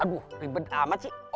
aduh ribet amat sih